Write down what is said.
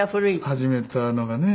始めたのがね。